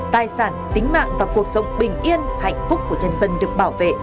tài sản tính mạng và cuộc sống bình yên hạnh phúc của nhân dân được bảo vệ